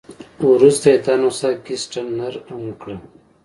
وروسته یې دا نسخه ګسټتنر هم کړه.